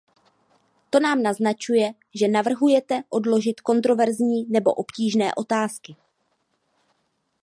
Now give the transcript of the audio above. To nám naznačuje, že navrhujete odložit kontroverzní nebo obtížné otázky.